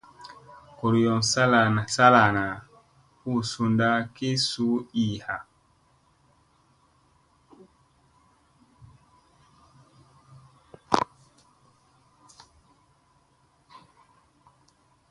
Goriyoŋ salana hu sunda ki su ii ha.